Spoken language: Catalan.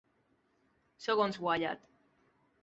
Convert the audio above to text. Segons Wyatt.